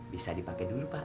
bisa dipakai dulu pak